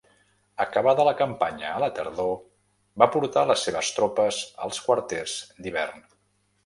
Acabada la campanya a la tardor va portar les seves tropes als quarters d'hivern.